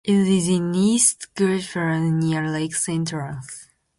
It is in East Gippsland, near Lakes Entrance.